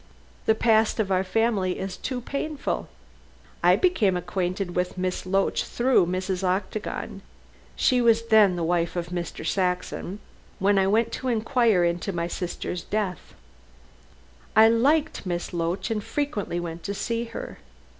The past of our family is too painful. I became acquainted with Miss Loach through Mrs. Octagon she was then the wife of Mr. Saxon when I went to inquire into my sister's death. I liked Miss Loach and frequently went to see her.